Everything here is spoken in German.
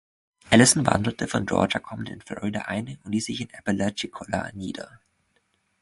Allison wanderte von Georgia kommend in Florida ein und ließ sich in Apalachicola nieder.